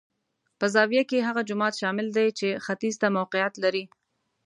په زاویه کې هغه جومات شامل دی چې ختیځ ته موقعیت لري.